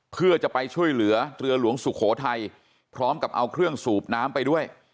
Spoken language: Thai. เพื่อจะไปช่วยเหลือเรือหลวงสุโขทัยพร้อมกับเอาเครื่องสูบน้ำไปด้วย